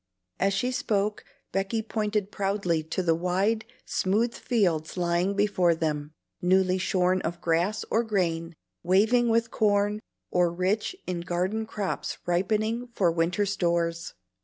As she spoke, Becky pointed proudly to the wide, smooth fields lying before them, newly shorn of grass or grain, waving with corn, or rich in garden crops ripening for winter stores.